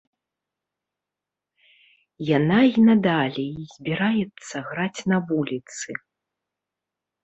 Яна і надалей збіраецца граць на вуліцы.